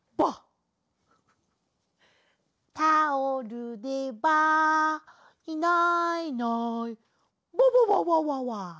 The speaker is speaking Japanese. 「タオルでバァいないいないバァバァバァ」